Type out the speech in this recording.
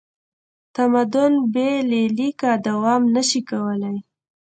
تمدن بې له لیکه دوام نه شي کولی.